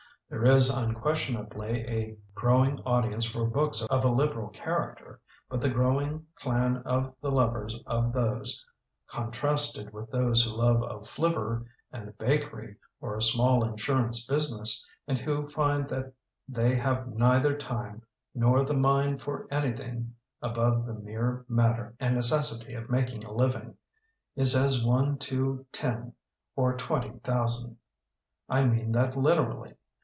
'There is unquestionably a growing audience for books of a lib eral character. But the growing clan of the lovers of these, contrasted with those who love a flivver and a bakery or a small insurance business, and who find that they have neither time nor the mind for anything above the mere matter and necessity of making a liv ing, is as one to ten or twenty thou sand. I mean that literally.